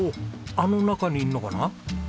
あの中にいるのかな？